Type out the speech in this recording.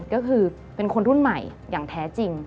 ก็คือเป็นคนรุ่นใหม่อย่างแท้จริง